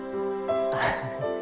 アハハ。